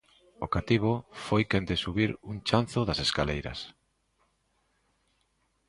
O cativo foi quen de subir un chanzo das escaleiras